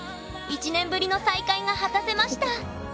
１年ぶりの再会が果たせました。